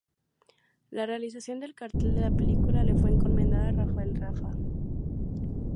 La realización del cartel de la película le fue encomendada a Rafael Raga.